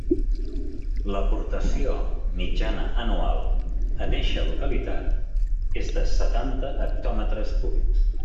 L'aportació mitjana anual en eixa localitat és de setanta hectòmetres cúbics.